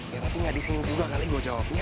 ya tapi gak disini juga kali gue jawabnya